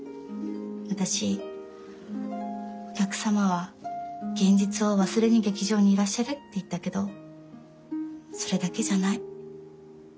私お客様は現実を忘れに劇場にいらっしゃるって言ったけどそれだけじゃない。